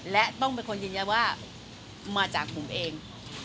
และต้องเป็นคนยืนยันว่ามาจากผมเอง